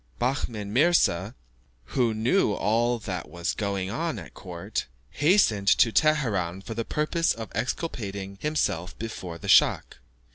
Behmen Mirza, who knew all that was going on at court, hastened to Teheran for the purpose of exculpating himself before the schach.